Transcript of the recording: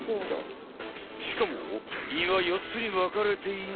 しかも胃は４つにわかれている。